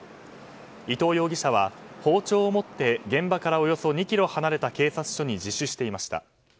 伊藤容疑者は包丁を持って現場からおよそ２ｋｍ離れた警察署に自首していました。